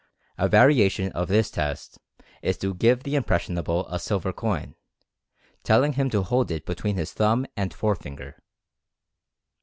A variation of this test, is to give the "impressionable" a silver coin, telling him to hold it between his thumb and forefinger.